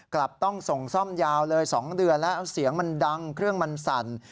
กลับต้องส่งซ่อมยาวเลย๒เดือนแล้วเสียงมันดังเครื่องมันสั่น